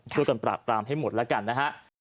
ช่วยกันปรากตามให้หมดแล้วกันนะฮะ